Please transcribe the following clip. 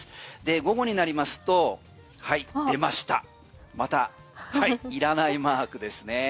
午後になりますと、はい出ましたまたいらないマークですね。